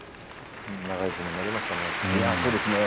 長い相撲になりましたね。